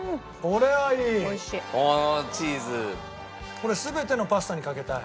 これ全てのパスタにかけたい。